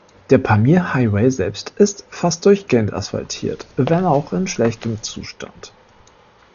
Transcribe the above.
Der Pamir Highway selbst ist fast durchgehend asphaltiert, wenn auch in schlechtem Zustand.